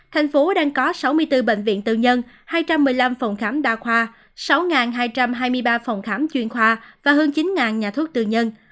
thành phố đang có sáu mươi bốn bệnh viện tư nhân hai trăm một mươi năm phòng khám đa khoa sáu hai trăm hai mươi ba phòng khám chuyên khoa và hơn chín nhà thuốc tư nhân